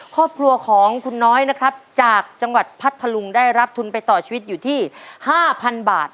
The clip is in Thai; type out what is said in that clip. ครอบครัวของคุณน้อยนะครับจากจังหวัดพัทธลุงได้รับทุนไปต่อชีวิตอยู่ที่๕๐๐๐บาท